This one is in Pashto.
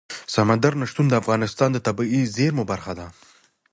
سمندر نه شتون د افغانستان د طبیعي زیرمو برخه ده.